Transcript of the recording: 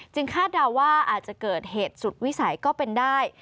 คาดเดาว่าอาจจะเกิดเหตุสุดวิสัยก็เป็นได้